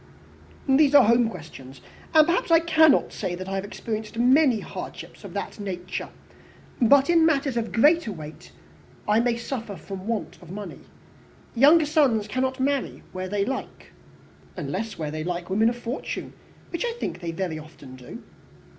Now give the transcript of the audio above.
"These are home questions and perhaps I cannot say that I have experienced many hardships of that nature. But in matters of greater weight, I may suffer from the want of money. Younger sons cannot marry where they like." "Unless where they like women of fortune, which I think they very often do."